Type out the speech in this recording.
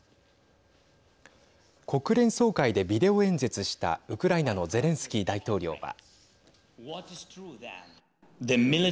国連総会でビデオ演説したウクライナのゼレンスキー大統領は。